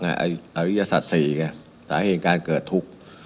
อาวิทยาศาสตร์๔เนี่ยสาเหตุการณ์เกิดทุกข์